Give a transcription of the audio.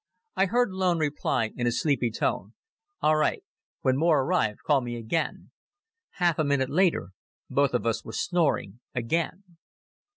I heard Loen reply, in a sleepy tone: "All right. When more arrive call me again." Half a minute later both of us were snoring again.